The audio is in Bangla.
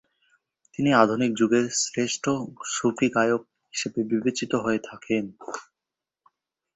তিনি আধুনিক যুগের শ্রেষ্ঠ সূফী গায়ক হিসেবে বিবেচিত হয়ে থাকেন।